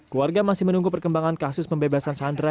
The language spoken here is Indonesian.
keluarga masih menunggu perkembangan kasus pembebasan sandera